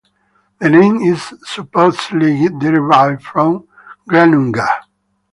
The name is supposedly derived from Granungar.